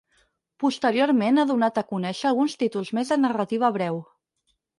Posteriorment ha donat a conéixer alguns títols més de narrativa breu.